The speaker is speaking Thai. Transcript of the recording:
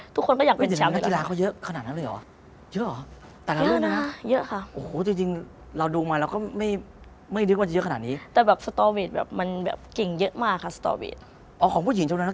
ทุกคนก็อยากดึงแชมป์